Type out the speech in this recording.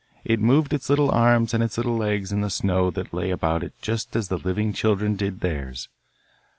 It moved its little arms and its little legs in the snow that lay about it just as the living children did theirs.